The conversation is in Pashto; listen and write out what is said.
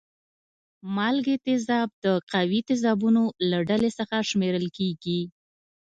مالګې تیزاب د قوي تیزابونو له ډلې څخه شمیرل کیږي.